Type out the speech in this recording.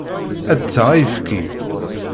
Ad d-taɣ ayefki.